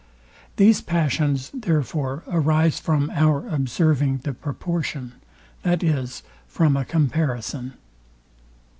These passions, therefore, arise from our observing the proportion; that is, from a comparison.